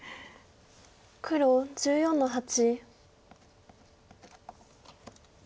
黒１４の八。